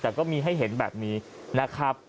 แต่ก็มีให้เห็นแบบนี้นะครับ